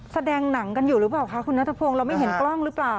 แสดงหนังกันอยู่หรือเปล่าคะคุณนัทพงศ์เราไม่เห็นกล้องหรือเปล่า